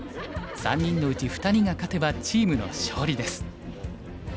３人のうち２人が勝てばチームの勝利です。